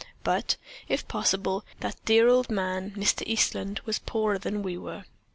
But, if possible, that dear old man, Mr. Eastland, was poorer than we were.